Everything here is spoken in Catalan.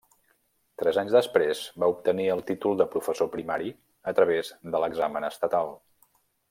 Tres anys després, va obtenir el títol de professor primari, a través de l'examen estatal.